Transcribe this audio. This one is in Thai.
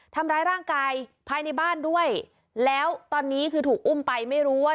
ทำร้ายร่างกายภายในบ้านด้วยแล้วตอนนี้คือถูกอุ้มไปไม่รู้ว่า